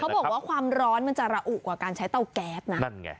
บอกว่าความร้อนมันจะระอุกว่าการใช้เตาแก๊สนะนั่นไง